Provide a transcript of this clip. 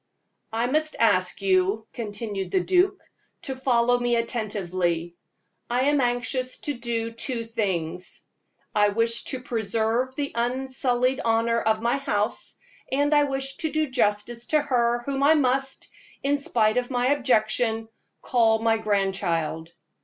"I must ask you," continued the duke, "to follow me attentively. I am anxious to do two things I wish to preserve the unsullied honor of my house, and I wish to do justice to her whom I must, in spite of my objection, call my grandchild.